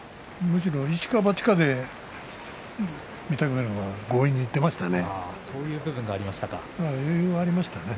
むしろ一か八かで御嶽海、強引にいっていましたね